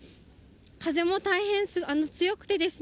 風も大変強くてですね。